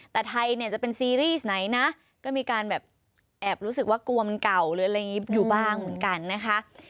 แต่ไทยเนี่ยจะเป็นซีรีส์ไหนนะก็มีการแบบแอบรู้สึกว่ากลัวมันเก่าหรืออะไรอย่างนี้อยู่บ้างเหมือนกันนะคะ